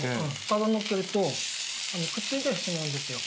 ただのっけるとくっついてしまうんですよ。